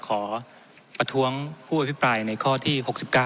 ขอประท้วงผู้อภิปรายในข้อที่๖๙